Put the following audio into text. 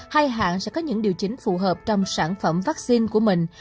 hai hãng sẽ có những điều chỉnh phù hợp trong sản phẩm vaccine của mình